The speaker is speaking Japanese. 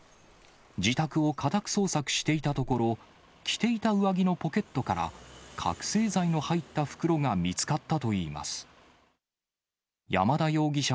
自宅を家宅捜索していたところ、着ていた上着のポケットから、覚醒剤の入った袋が見つかったといいます。